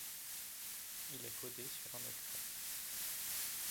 Il est codé sur un octet.